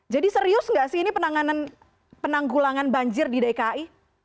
jadi serius nggak sih ini penanggulangan banjir di dki